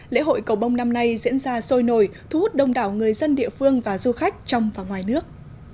lễ hội cầu bông năm nay diễn ra sôi nổi thu hút đông đảo người dân địa phương và du khách trong và ngoài nước